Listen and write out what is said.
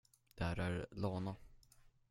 Det här är Lana.